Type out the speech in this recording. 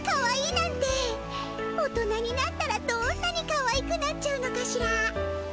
大人になったらどんなにかわいくなっちゃうのかしら。